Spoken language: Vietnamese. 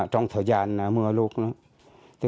trong thời gian mưa lụt